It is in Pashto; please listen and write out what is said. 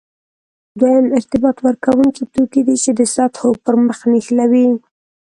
دویم ارتباط ورکوونکي توکي دي چې د سطحو پرمخ نښلوي.